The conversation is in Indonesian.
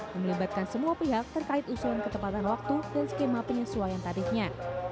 yang melibatkan semua pihak terkait usulan ketepatan waktu dan skema penyesuaian tarifnya